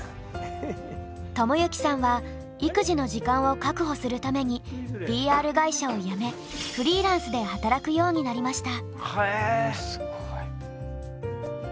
知之さんは育児の時間を確保するためにＰＲ会社を辞めフリーランスで働くようになりました。